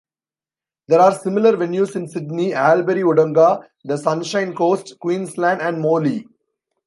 There are similar venues in Sydney, Albury-Wodonga, The Sunshine Coast, Queensland and Morley.